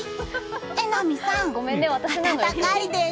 榎並さん暖かいです。